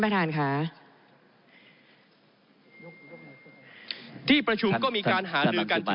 ท่านประธานค่ะ